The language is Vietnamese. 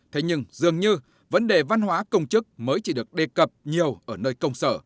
thế nhưng dường như vấn đề văn hóa công chức mới chỉ được đề cập nhiều ở nơi công sở